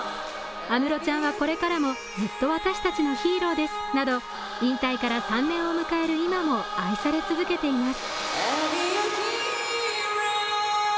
「安室ちゃんはこれからもずっと私たちのヒーローです」など引退から３年を迎える今も愛され続けています。